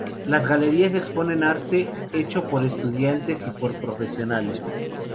Las Galerías exponen arte hecho por estudiantes y por profesionales.